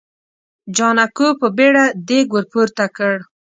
جانکو په بيړه دېګ ور پورته کړ.